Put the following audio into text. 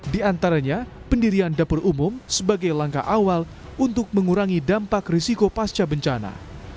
di antaranya pendirian dapur umum sebagai langkah awal untuk mengurangi dampak risiko pasca bencana